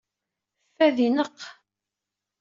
Fad ineqq.